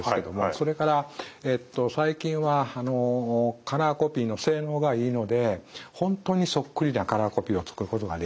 それから最近はカラーコピーの性能がいいので本当にそっくりなカラーコピーを作ることができる。